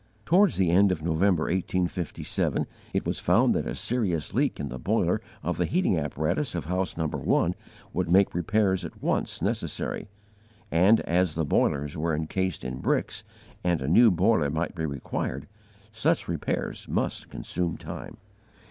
Towards the end of November, 1857, it was found that a serious leak in the boiler of the heating apparatus of house No. 1 would make repairs at once necessary, and as the boilers were encased in bricks and a new boiler might be required, such repairs must consume time.